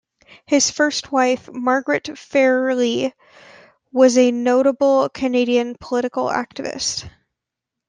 His first wife, Margaret Fairley, was a notable Canadian political activist.